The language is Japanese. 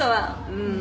うん。